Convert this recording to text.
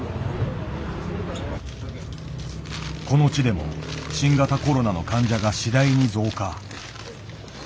この地でも新型コロナの患者が次第に増加。